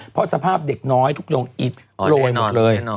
เพราะสภาพเด็กน้อยทุกดวงอิดโรยหมดเลย